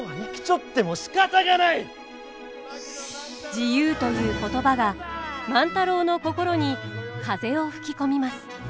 「自由」という言葉が万太郎の心に風を吹き込みます。